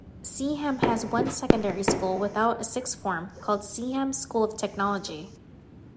Seaham has one secondary school, without a sixth-form, called Seaham School of Technology.